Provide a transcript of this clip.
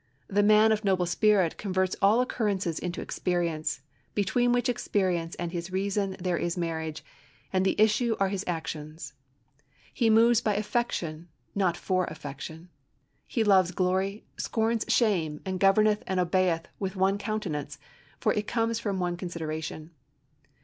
"The man of noble spirit converts all occurrences into experience, between which experience and his reason there is marriage, and the issue are his actions. He moves by affection, not for affection; he loves glory, scorns shame, and governeth and obeyeth with one countenance, for it comes from one consideration.